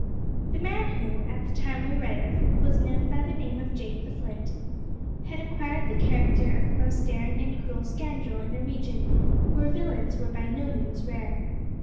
The man who, at the time we write of, was known by the name of Jake the Flint had acquired the character of the most daring and cruel scoundrel in a region where villains were by no means rare.